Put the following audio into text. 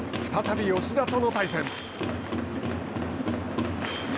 再び吉田との対戦。